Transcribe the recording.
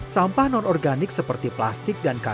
sampah non organik seperti plastik dan kacang